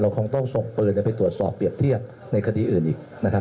คงต้องส่งปืนไปตรวจสอบเปรียบเทียบในคดีอื่นอีกนะครับ